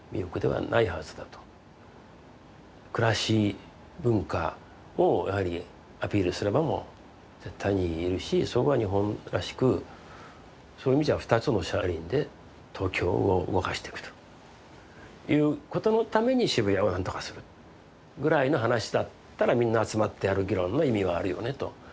暮らし文化をやはりアピールする場も絶対にいるしそこは日本らしくそういう意味じゃ２つの車輪で東京を動かしていくということのために渋谷を何とかするぐらいの話だったらみんな集まってやる議論の意味はあるよねと。